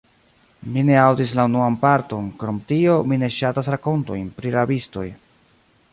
Mi ne aŭdis la unuan parton; krom tio, mi ne ŝatas rakontojn pri rabistoj.